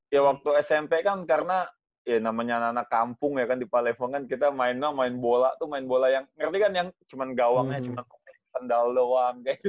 iya waktu smp kan karena ya namanya anak anak kampung ya kan di palembang kan kita main mah main bola tuh main bola yang ngerti kan yang cuman gawangnya cuman sandal doang kayak gitu gitu